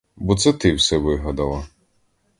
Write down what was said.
Бо це ти все вигадала.